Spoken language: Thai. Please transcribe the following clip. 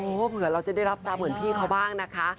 เผื่อเราจะได้รับทราบเหมือนพี่เขาบ้างนะคะ